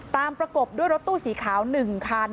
ประกบด้วยรถตู้สีขาว๑คัน